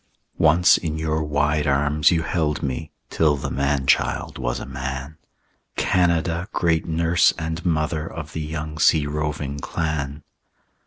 Once in your wide arms you held me, Till the man child was a man, Canada, great nurse and mother Of the young sea roving clan.